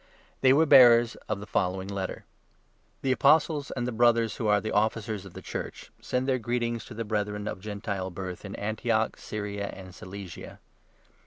They were bearers of the 23 following letter —' The Apostles, and the Brothers who are the Officers of the Church, send their greetings to the Brethren of Gentile birth in Antioch, Syria, and Cilicia.